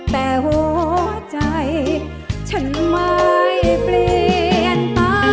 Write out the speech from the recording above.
แต่หัวใจฉันไม่เปลี่ยนไป